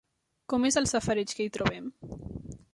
Com és el safareig que hi trobem?